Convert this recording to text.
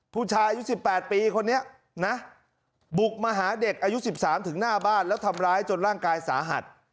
ผู้ชายอายุ๑๘ปีคนนี้นะบุกมาหาเด็กอายุ๑๓ถึงหน้าบ้านแล้วทำร้ายจนร่างกายสาหัส